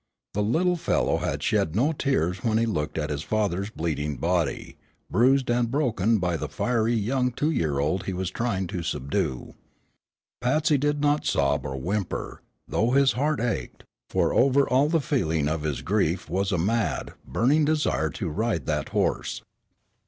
The little fellow had shed no tears when he looked at his father's bleeding body, bruised and broken by the fiery young two year old he was trying to subdue. Patsy did not sob or whimper, though his heart ached, for over all the feeling of his grief was a mad, burning desire to ride that horse.